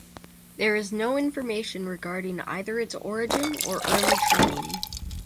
There is no information regarding either its origin or early training.